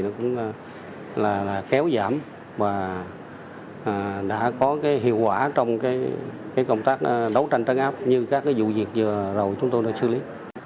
nó cũng là kéo giảm và đã có hiệu quả trong công tác đấu tranh trấn áp như các vụ việc vừa rồi chúng tôi đã xử lý